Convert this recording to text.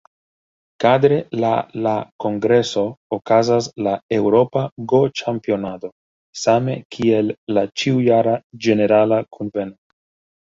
Kadre la la kongreso okazas la "Eŭropa Go-Ĉampionado", same kiel la ĉiujara Ĝenerala Kunveno.